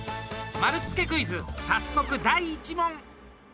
丸つけクイズ早速第１問！